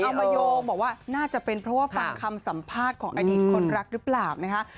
เอามาโยงบอกว่าน่าจะเป็นเพราะว่าฟังคำสัมภาษณ์ของอดีตคนรักหรือเปล่านะคะ